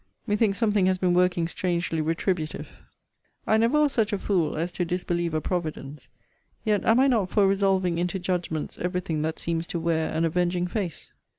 Methinks something has been working strangely retributive. I never was such a fool as to disbelieve a Providence; yet am I not for resolving into judgments every thing that seems to wear an avenging face.